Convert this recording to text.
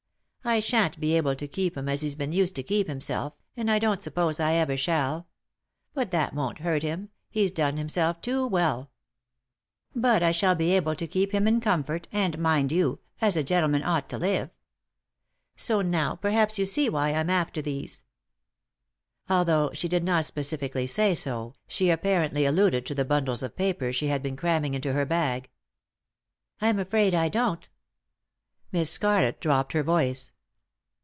I shan't be able to keep him as he's been used to keep himself, and I don't suppose I ever shall ; but that won't hurt him — he's done himself too well. But I shall be able to keep him 102 3i 9 iii^d by Google THE INTERRUPTED KISS in comfort, and, mind you, as a gentleman ought to live. So now perhaps you see why I'm after these." Although she did not specifically say so, she apparently alluded to the bundles of papers she had been cramming into her bag. " I'm afraid I don't." Miss Scarlett dropped her voice.